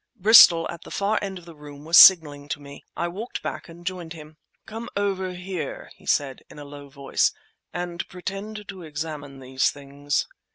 Bristol, at the far end of the room, was signalling to me. I walked back and joined him. "Come over here," he said, in a low voice, "and pretend to examine these things."